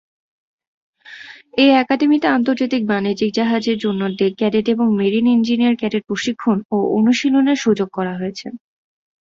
এ একাডেমিতে আন্তর্জাতিক বাণিজ্যিক জাহাজের জন্য ডেক ক্যাডেট এবং মেরিন ইঞ্জিনিয়ার ক্যাডেট প্রশিক্ষণ ও অনুশীলনের সুযোগ করা হয়েছে।